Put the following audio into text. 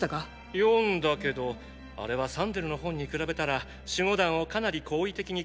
読んだけどあれはサンデルの本に比べたら守護団をかなり好意的に書いてるよね。